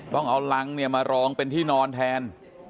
ต้องเอาหลังมารองเป็นที่นอนแทน